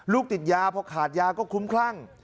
ติดยาพอขาดยาก็คุ้มคลั่ง